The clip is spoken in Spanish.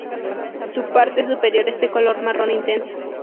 Su parte superior es de color marrón intenso.